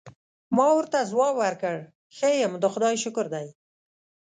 ما ورته ځواب ورکړ: ښه یم، د خدای شکر دی.